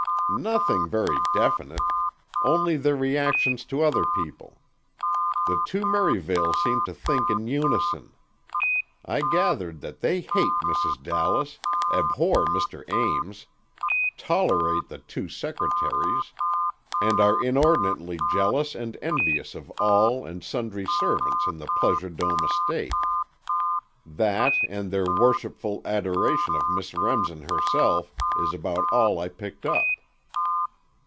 "Nothing very definite. Only their reactions to other people. The two Merivales seem to think in unison. I gathered that they hate Mrs. Dallas, abhor Mr. Ames, tolerate the two secretaries, and are inordinately jealous and envious of all and sundry servants on the Pleasure Dome estate. That, and their worshipful adoration of Miss Remsen herself, is about all I picked up."